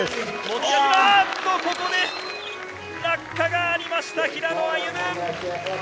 ここで落下がありました、平野歩夢。